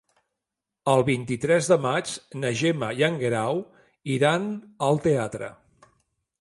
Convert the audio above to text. El vint-i-tres de maig na Gemma i en Guerau iran al teatre.